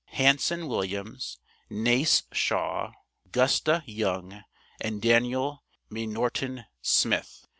HANSON WILLIAMS, NACE SHAW, GUSTA YOUNG, AND DANIEL M'NORTON SMITH.